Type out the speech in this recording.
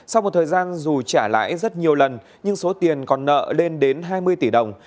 sau một thời gian dù trả lãi rất nhiều lần nhưng số tiền còn nợ lên đến hai mươi tỷ đồng